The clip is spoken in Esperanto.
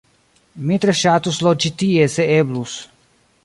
Mi tre ŝatus loĝi tie se eblus